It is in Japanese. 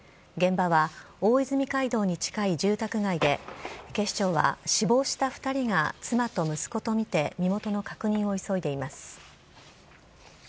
現場は大泉街道に近い住宅街で、警視庁は死亡した２人が妻と息子と見て、身元の確認を急いでいます。